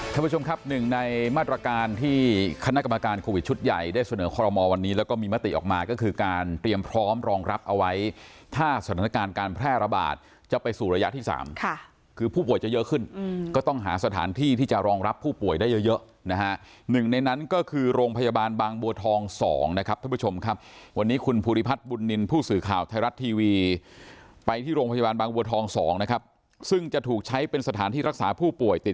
คุณผู้ชมครับหนึ่งในมาตรการที่คณะกรรมการโควิดชุดใหญ่ได้เสนอคอลโลมอล์วันนี้แล้วก็มีมติออกมาก็คือการเตรียมพร้อมรองรับเอาไว้ถ้าสถานการณ์การแพร่ระบาดจะไปสู่ระยะที่สามค่ะคือผู้ป่วยจะเยอะขึ้นอืมก็ต้องหาสถานที่ที่จะรองรับผู้ป่วยได้เยอะเยอะนะฮะหนึ่งในนั้นก็คือโรงพยาบาลบางบัวทองสองนะคร